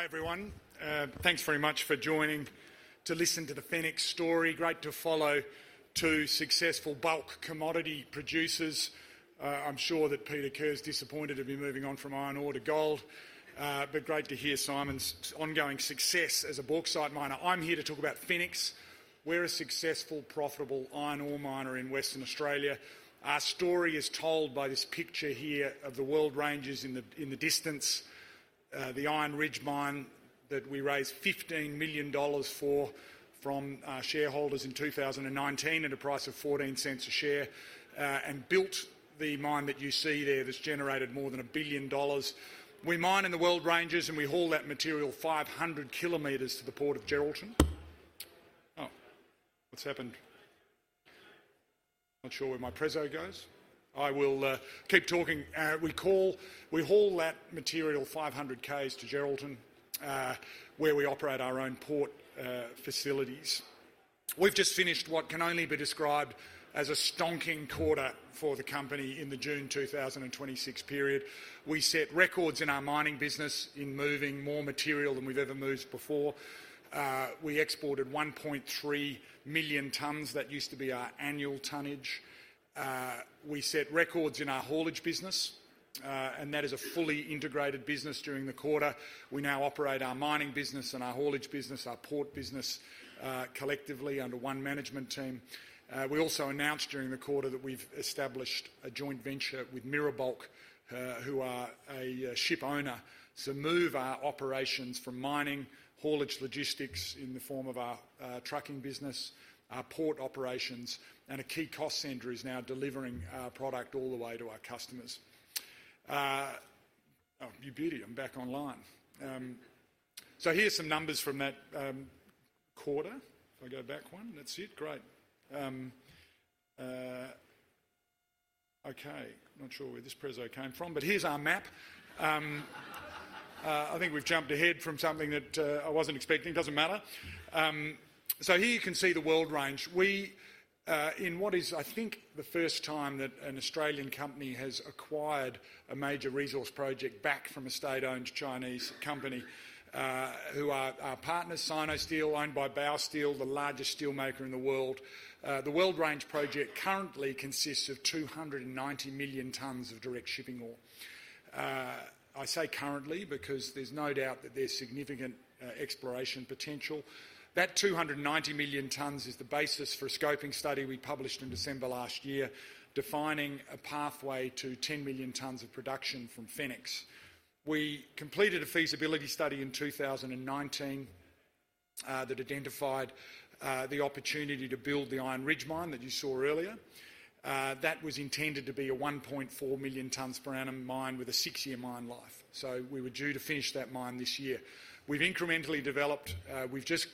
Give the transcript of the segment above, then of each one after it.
Hi, everyone. Thanks very much for joining to listen to the Fenix story. Great to follow two successful bulk commodity producers. I'm sure that Peter Kerr's disappointed to be moving on from iron ore to gold. Great to hear Simon's ongoing success as a bauxite miner. I'm here to talk about Fenix. We're a successful, profitable iron ore miner in Western Australia. Our story is told by this picture here of the Weld Ranges in the distance. The Iron Ridge mine that we raised 15 million dollars for from our shareholders in 2019 at a price of 0.14 a share, built the mine that you see there that's generated more than 1 billion dollars. We mine in the Weld Ranges, we haul that material 500 km to the port of Geraldton. Oh, what's happened? Not sure where my preso goes. I will keep talking. We haul that material 500 km to Geraldton, where we operate our own port facilities. We've just finished what can only be described as a stonking quarter for the company in the June 2026 period. We set records in our mining business in moving more material than we've ever moved before. We exported 1.3 million tons. That used to be our annual tonnage. We set records in our haulage business, that is a fully integrated business during the quarter. We now operate our mining business and our haulage business, our port business, collectively under one management team. We also announced during the quarter that we've established a joint venture with Mira Bulk, who are a ship owner. Move our operations from mining, haulage logistics in the form of our trucking business, our port operations, a key cost center is now delivering our product all the way to our customers. Oh, you beauty. I'm back online. Here's some numbers from that quarter. If I go back one. That's it. Great. Okay. Not sure where this preso came from, here's our map. I think we've jumped ahead from something that I wasn't expecting. Doesn't matter. Here you can see the Weld Range. We, in what is, I think, the first time that an Australian company has acquired a major resource project back from a state-owned Chinese company, who are our partners, Sinosteel, owned by Baowu Steel, the largest steelmaker in the world. The Weld Range project currently consists of 290 million tons of direct shipping ore. I say currently because there's no doubt that there's significant exploration potential. That 290 million tons is the basis for a scoping study we published in December last year, defining a pathway to 10 million tons of production from Fenix. We completed a feasibility study in 2019 that identified the opportunity to build the Iron Ridge mine that you saw earlier. That was intended to be a 1.4 million tons per annum mine with a six-year mine life. We were due to finish that mine this year. We've just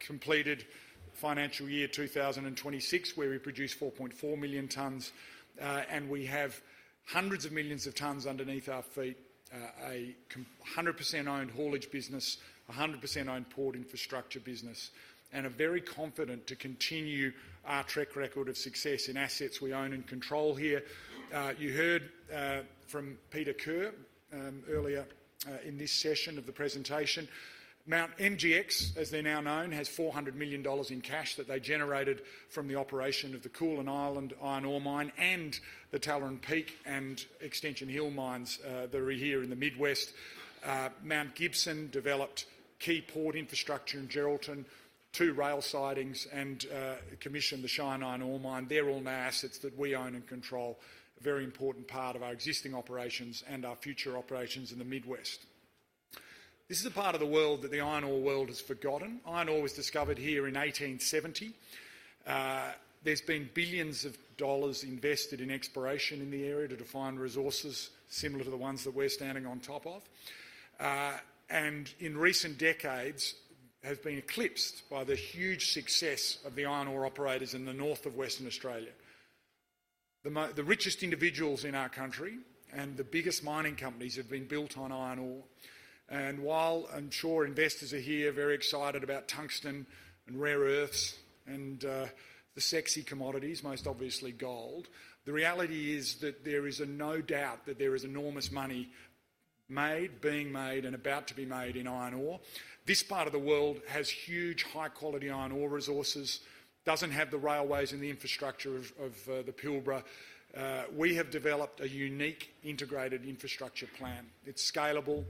completed financial year 2026, where we produced 4.4 million tons, we have hundreds of millions of tons underneath our feet. A 100% owned haulage business, 100% owned port infrastructure business, are very confident to continue our track record of success in assets we own and control here. You heard from Peter Kerr earlier in this session of the presentation. Mount MGX, as they're now known, has 400 million dollars in cash that they generated from the operation of the Koolan Island iron ore mine and the Tallering Peak and Extension Hill mines that are here in the Mid West. Mount Gibson developed key port infrastructure in Geraldton, two rail sidings, and commissioned the Shine iron ore mine. They're all now assets that we own and control. A very important part of our existing operations and our future operations in the Mid West. This is a part of the world that the iron ore world has forgotten. Iron ore was discovered here in 1870. There's been billions of AUD invested in exploration in the area to define resources similar to the ones that we're standing on top of. In recent decades, have been eclipsed by the huge success of the iron ore operators in the north of Western Australia. The richest individuals in our country and the biggest mining companies have been built on iron ore. While I'm sure investors are here very excited about tungsten and rare earths and the sexy commodities, most obviously gold, the reality is that there is no doubt that there is enormous money made, being made, and about to be made in iron ore. This part of the world has huge high-quality iron ore resources. Doesn't have the railways and the infrastructure of the Pilbara. We have developed a unique integrated infrastructure plan. It's scalable.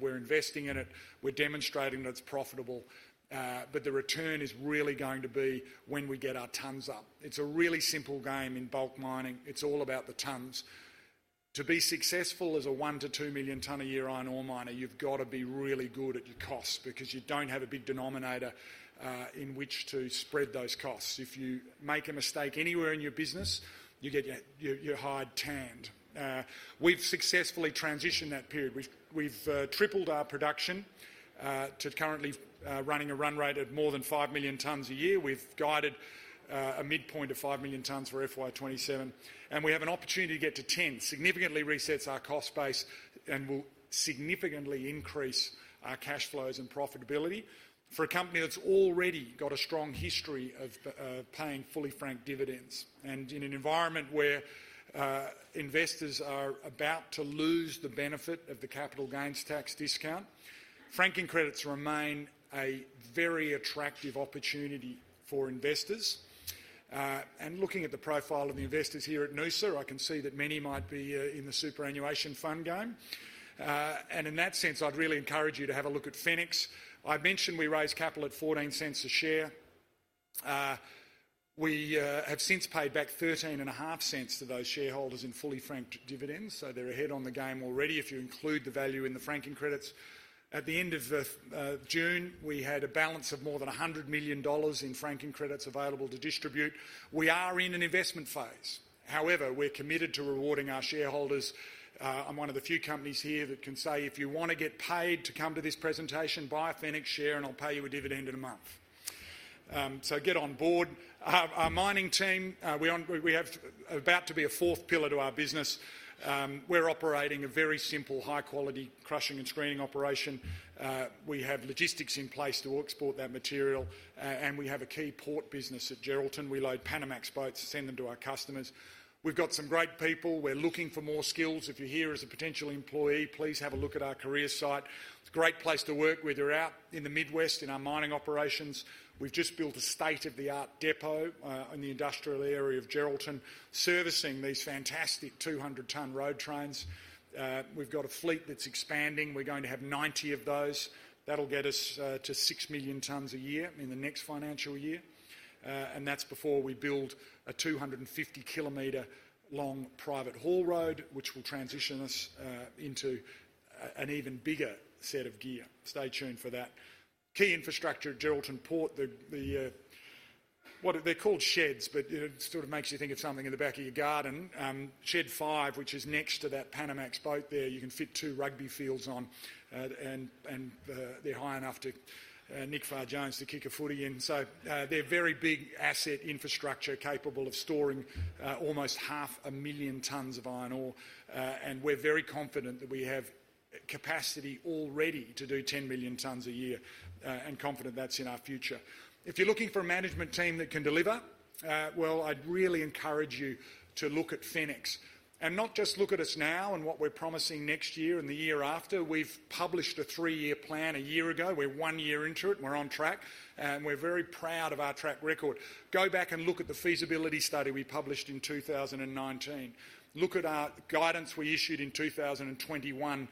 We're investing in it. We're demonstrating that it's profitable. The return is really going to be when we get our tons up. It's a really simple game in bulk mining. It's all about the tons. To be successful as a one to two-million-ton a year iron ore miner, you've got to be really good at your costs because you don't have a big denominator in which to spread those costs. If you make a mistake anywhere in your business, you get your hide tanned. We've successfully transitioned that period. We've tripled our production to currently running a run rate of more than five million tons a year. We've guided a midpoint of five million tons for FY 2027, and we have an opportunity to get to 10 million tons. Significantly resets our cost base and will significantly increase our cash flows and profitability for a company that's already got a strong history of paying fully franked dividends. In an environment where investors are about to lose the benefit of the capital gains tax discount, franking credits remain a very attractive opportunity for investors. Looking at the profile of the investors here at Noosa, I can see that many might be in the superannuation fund game. In that sense, I'd really encourage you to have a look at Fenix. I mentioned we raised capital at 0.14 a share. We have since paid back 0.135 to those shareholders in fully franked dividends, so they're ahead on the game already if you include the value in the franking credits. At the end of June, we had a balance of more than 100 million dollars in franking credits available to distribute. We are in an investment phase. However, we're committed to rewarding our shareholders. I'm one of the few companies here that can say, "If you want to get paid to come to this presentation, buy a Fenix share and I'll pay you a dividend in a month." Get on board. Our mining team, we are about to be a fourth pillar to our business. We're operating a very simple, high-quality crushing and screening operation. We have logistics in place to export that material. We have a key port business at Geraldton. We load Panamax boats to send them to our customers. We've got some great people. We're looking for more skills. If you're here as a potential employee, please have a look at our career site. It's a great place to work, whether out in the Mid West, in our mining operations. We've just built a state-of-the-art depot in the industrial area of Geraldton, servicing these fantastic 200-ton road trains. We've got a fleet that's expanding. We're going to have 90 of those. That'll get us to six million tons a year in the next financial year. That's before we build a 250-kilometer-long private haul road, which will transition us into an even bigger set of gear. Stay tuned for that. Key infrastructure at Geraldton Port. They're called sheds, but it sort of makes you think of something in the back of your garden. Shed five, which is next to that Panamax boat there, you can fit two rugby fields on, and they're high enough to Nick Farr-Jones to kick a footy in. They're very big asset infrastructure capable of storing almost half a million tons of iron ore. We're very confident that we have capacity already to do 10 million tons a year, and confident that's in our future. If you're looking for a management team that can deliver, well, I'd really encourage you to look at Fenix. Not just look at us now and what we're promising next year and the year after. We've published a three-year plan a year ago. We're one year into it and we're on track, and we're very proud of our track record. Go back and look at the feasibility study we published in 2019. Look at our guidance we issued in 2021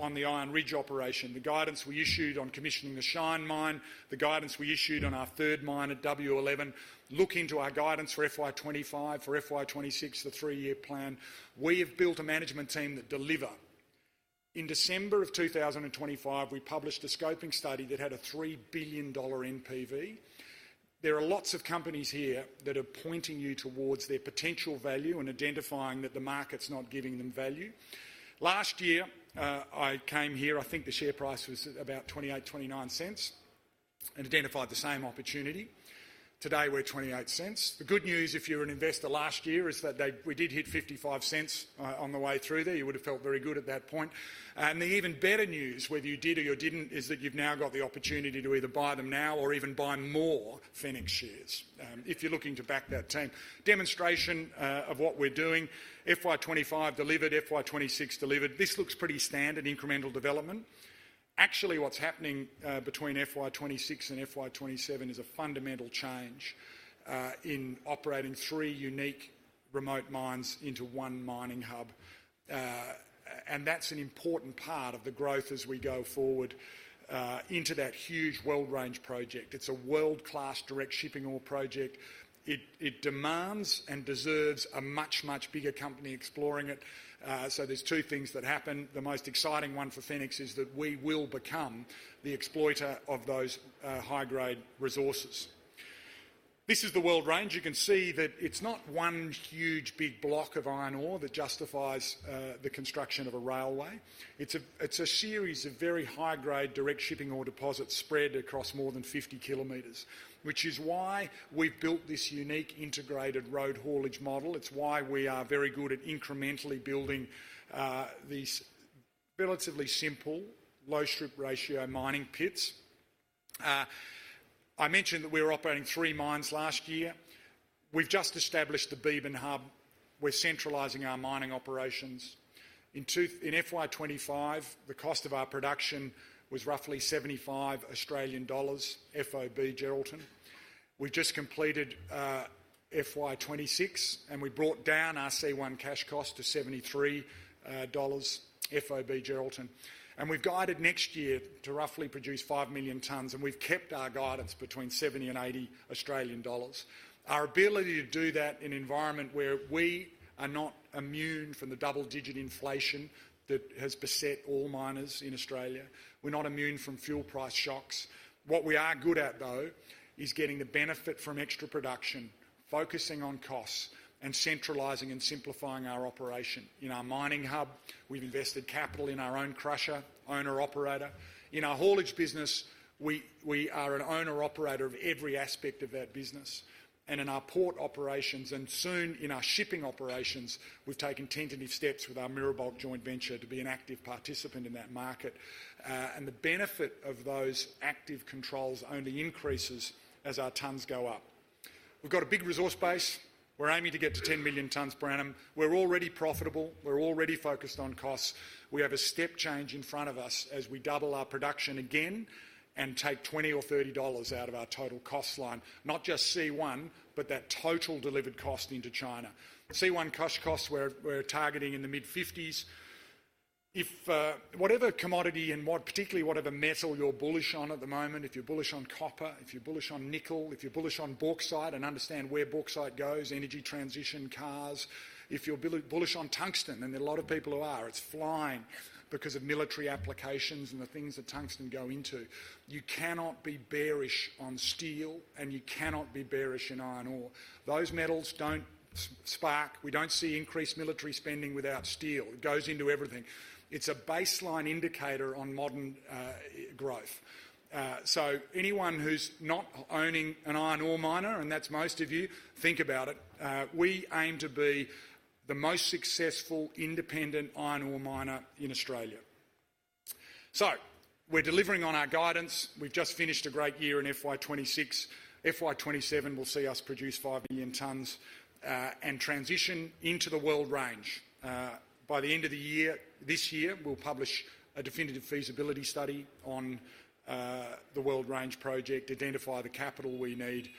on the Iron Ridge operation, the guidance we issued on commissioning the Shine mine, the guidance we issued on our third mine at W11. Look into our guidance for FY 2025, for FY 2026, the three-year plan. We have built a management team that deliver. In December of 2025, we published a scoping study that had a 3 billion dollar NPV. There are lots of companies here that are pointing you towards their potential value and identifying that the market's not giving them value. Last year, I came here, I think the share price was about 0.28, 0.29, and identified the same opportunity. Today, we're 0.28. The good news, if you're an investor last year, is that we did hit 0.55 on the way through there. You would have felt very good at that point. The even better news, whether you did or you didn't, is that you've now got the opportunity to either buy them now or even buy more Fenix shares if you're looking to back that team. Demonstration of what we're doing. FY 2025 delivered, FY 2026 delivered. This looks pretty standard incremental development. Actually, what's happening between FY 2026 and FY 2027 is a fundamental change in operating three unique remote mines into one mining hub. That's an important part of the growth as we go forward into that huge Weld Range project. It's a world-class direct shipping ore project. It demands and deserves a much, much bigger company exploring it. There's two things that happen. The most exciting one for Fenix is that we will become the exploiter of those high-grade resources. This is the Weld Range. You can see that it's not one huge, big block of iron ore that justifies the construction of a railway. It's a series of very high-grade direct shipping ore deposits spread across more than 50 kilometers, which is why we've built this unique integrated road haulage model. It's why we are very good at incrementally building these relatively simple low strip ratio mining pits. I mentioned that we were operating three mines last year. We've just established the Beebyn Hub. We're centralizing our mining operations. In FY 2025, the cost of our production was roughly 75 Australian dollars FOB Geraldton. We've just completed FY 2026, we brought down our C1 cash cost to 73 dollars FOB Geraldton. We've guided next year to roughly produce five million tons, and we've kept our guidance between 70 and 80 Australian dollars. Our ability to do that in an environment where we are not immune from the double-digit inflation that has beset all miners in Australia. We're not immune from fuel price shocks. What we are good at, though, is getting the benefit from extra production, focusing on costs, and centralizing and simplifying our operation. In our mining hub, we've invested capital in our own crusher, owner-operator. In our haulage business, we are an owner-operator of every aspect of that business. In our port operations and soon in our shipping operations, we've taken tentative steps with our Mira Bulk joint venture to be an active participant in that market. The benefit of those active controls only increases as our tons go up. We've got a big resource base. We're aiming to get to 10 million tons per annum. We're already profitable. We're already focused on costs. We have a step change in front of us as we double our production again and take 20 or 30 dollars out of our total cost line. Not just C1, but that total delivered cost into China. C1 costs, we're targeting in the mid-50s. Whatever commodity and particularly whatever metal you're bullish on at the moment, if you're bullish on copper, if you're bullish on nickel, if you're bullish on bauxite and understand where bauxite goes, energy transition cars. If you're bullish on tungsten, and there are a lot of people who are, it's flying because of military applications and the things that tungsten go into. You cannot be bearish on steel, and you cannot be bearish on iron ore. Those metals don't spark. We don't see increased military spending without steel. It goes into everything. It's a baseline indicator on modern growth. Anyone who's not owning an iron ore miner, and that's most of you, think about it. We aim to be the most successful independent iron ore miner in Australia. We're delivering on our guidance. We've just finished a great year in FY 2026. FY 2027 will see us produce five million tons and transition into the Weld Range. By the end of this year, we'll publish a definitive feasibility study on the Weld Range project, identify the capital we need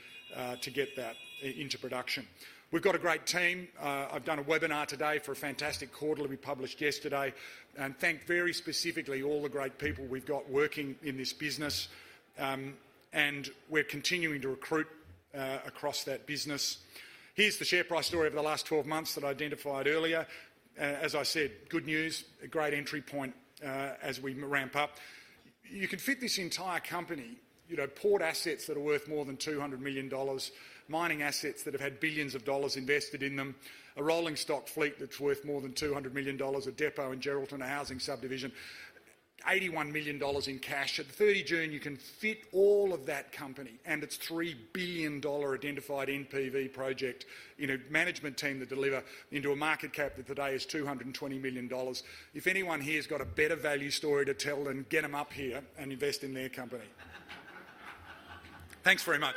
to get that into production. We've got a great team. I've done a webinar today for a fantastic quarter that we published yesterday and thank very specifically all the great people we've got working in this business, and we're continuing to recruit across that business. Here's the share price story over the last 12 months that I identified earlier. As I said, good news, a great entry point as we ramp up. You can fit this entire company, port assets that are worth more than 200 million dollars, mining assets that have had billions of AUD invested in them, a rolling stock fleet that's worth more than 200 million dollars, a depot in Geraldton, a housing subdivision, 81 million dollars in cash. At the 30 June, you can fit all of that company and its 3 billion dollar identified NPV project in a management team that deliver into a market cap that today is 220 million dollars. If anyone here's got a better value story to tell, get them up here and invest in their company. Thanks very much.